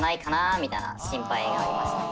みたいな心配がありますね。